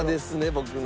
僕の。